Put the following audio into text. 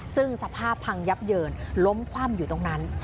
ซึ่งสภาพพังยับเยินล้มคว่ำอยู่ตรงนั้น